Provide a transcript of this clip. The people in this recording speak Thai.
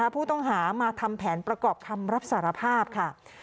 ผู้ต้องหามาทำแผนประกอบคำรับสารภาพค่ะ